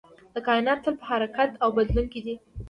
کائنات تل په حرکت او بدلون کې دی